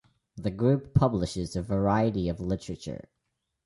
The group publishes a variety of literature.